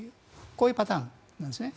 こういうパターンなんですね。